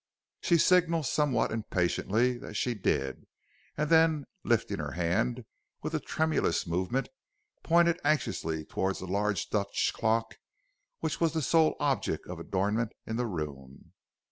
"She signalled somewhat impatiently that she did, and then, lifting her hand with a tremulous movement, pointed anxiously towards a large Dutch clock, which was the sole object of adornment in the room.